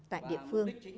tại địa phương